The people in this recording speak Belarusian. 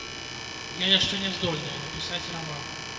Я яшчэ няздольная напісаць раман.